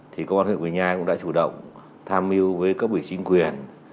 thì công an huyện quỳnh nha cũng đã chủ động tham mưu với các vị chính quyền